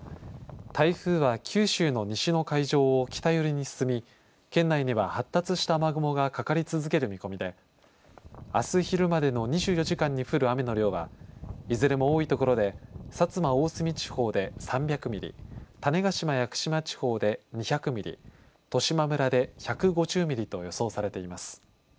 台風は九州の西の海上を北寄りに進み、県内には発達した雨雲がかかり続ける見込みであす昼までの２４時間に降る雨の量はいずれも多いところで薩摩・大隅地方で３００ミリ、種子島・屋久島地方で２００ミリ、十島村で１５０ミリと予想されています。